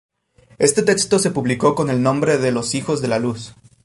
Este texto se publicó con el nombre de "Los hijos de La luz.